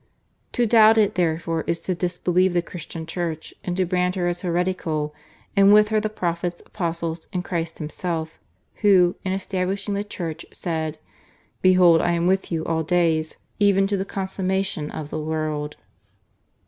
... To doubt it, therefore, is to disbelieve the Christian Church and to brand her as heretical, and with her the prophets, apostles, and Christ Himself, who, in establishing the Church said: 'Behold I am with you all days even to the consummation of the world.'"